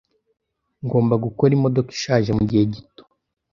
Ngomba gukora imodoka ishaje mugihe gito.